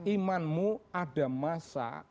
imanmu ada masa